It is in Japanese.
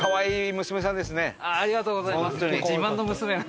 ありがとうございます。